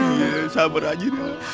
iya sabar aja duk